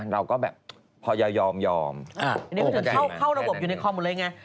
เราก็แบบพอยายอมอันนี้ก็ถึงเข้าระบบอยู่ในคอมหมดเลยไง